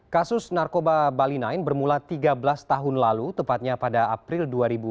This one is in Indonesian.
kasus narkoba bali sembilan bermula tiga belas tahun lalu tepatnya pada april dua ribu dua puluh